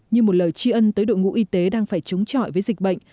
như một lời tri ân tới đội ngũ y tế đang phải chống chọi với dịch bệnh